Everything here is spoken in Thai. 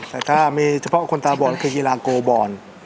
แต่ถ้ามีเฉพาะคนตาบอนคือกีฬาโกบอล